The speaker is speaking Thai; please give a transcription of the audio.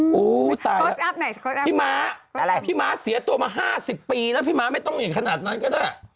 โค้ชอัพไหนโค้ชอัพไหนพี่ม้าพี่ม้าเสียตัวมา๕๐ปีนะพี่ม้าไม่ต้องเห็นขนาดนั้นก็ได้